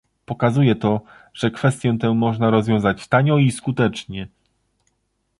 Pokazuje to, że kwestię tę można rozwiązać tanio i skutecznie